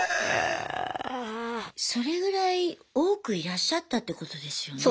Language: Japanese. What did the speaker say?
それぐらい多くいらっしゃったってことですよね。